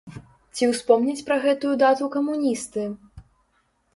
Ці успомняць пра гэтую дату камуністы?